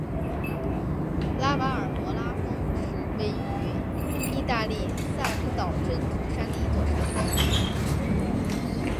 拉马尔摩拉峰是位于义大利撒丁岛真图山的一座山峰。